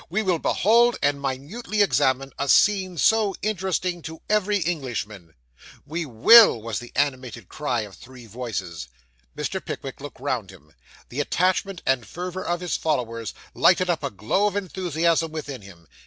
We will behold, and minutely examine, a scene so interesting to every Englishman.' 'We will,' was the animated cry of three voices. Mr. Pickwick looked round him. The attachment and fervour of his followers lighted up a glow of enthusiasm within him.